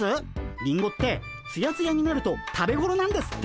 リンゴってツヤツヤになると食べごろなんですって。